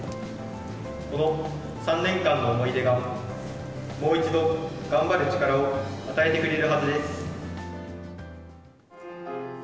この３年間の思い出が、もう一度、頑張る力を与えてくれるはずです。